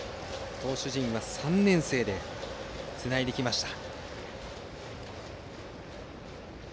投手陣は３年生でつないできました。